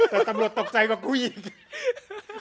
แต่ตำรวจตกใจกวันกู้อีก